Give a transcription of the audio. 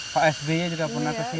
pak sby juga pernah kesini